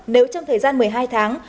nếu trong thời gian một mươi hai tháng